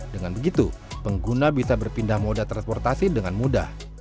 dengan begitu pengguna bisa berpindah moda transportasi dengan mudah